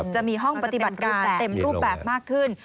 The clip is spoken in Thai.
จะมีห้องปฏิบัติการเต็มรูปแบบมากขึ้น